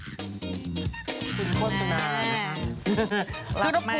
นี่คือคนสนานนะครับ